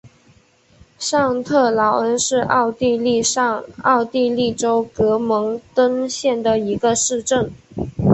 上特劳恩是奥地利上奥地利州格蒙登县的一个市镇。